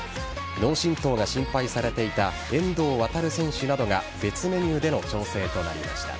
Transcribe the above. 脳振とうが心配されていた遠藤航選手などが別メニューでの調整となりました。